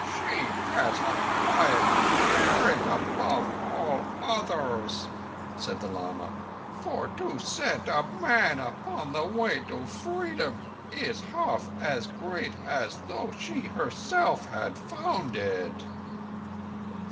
"She has acquired merit beyond all others," said the lama. "For to set a man upon the way to Freedom is half as great as though she had herself found it."